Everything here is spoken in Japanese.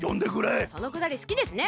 そのくだりすきですね。